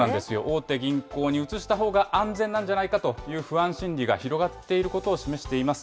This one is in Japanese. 大手銀行に移したほうが安全なんじゃないかという不安心理が広がっていることを示しています。